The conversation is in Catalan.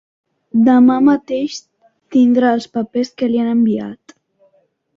Demà mateix tindrà els papers que li han enviat.